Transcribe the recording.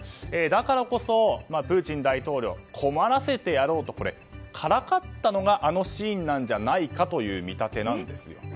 だからこそ、プーチン大統領を困らせてやろうとからかったのがあのシーンじゃないかという見立てなんです。